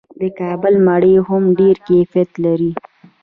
د کابل مڼې هم ډیر کیفیت لري.